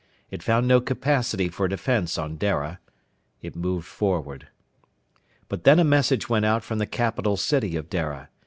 It found no capacity for defense on Dara. It moved forward. But then a message went out from the capital city of Dara.